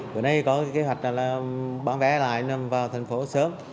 bữa nay có kế hoạch bán vé lại vào thành phố sớm